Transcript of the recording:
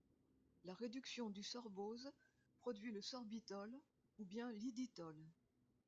La réduction du sorbose produit le sorbitol ou bien l'iditol.